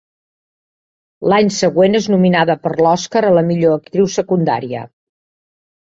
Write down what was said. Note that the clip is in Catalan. L'any següent, és nominada per l'Oscar a la millor actriu secundària.